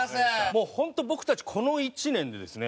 もう本当僕たちこの１年でですね